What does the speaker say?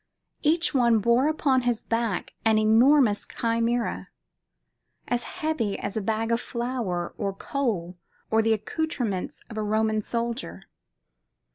Each one bore upon his back an enormous Chimera, as heavy as a bag of flour or coal, or the accoutrements of a Roman soldier.